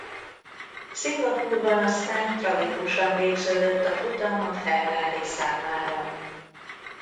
Szingapúrban aztán tragikusan végződött a futam a Ferrari számára.